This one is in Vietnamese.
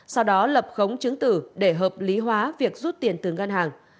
sau đó lập khống chứng tử để hợp lý hóa việc rút tiền từ ngân hàng